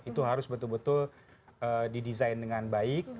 itu harus betul betul didesain dengan baik